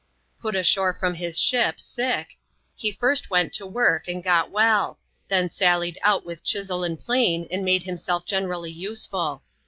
Put ashore from his ship, sick, he first went to work and got well ; then sallied out with chisel and plane, and made himself generally useful.